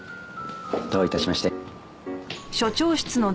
どういたしまして。